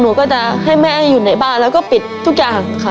หนูก็จะให้แม่อยู่ในบ้านแล้วก็ปิดทุกอย่างค่ะ